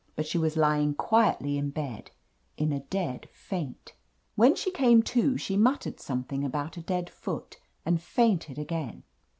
But she was lying quietly in bed, in a dead faint. When she came to, she muttered something S8 OF LETITIA CARBERRY about a dead foot and fainted again.